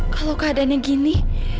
kalau keadaannya gini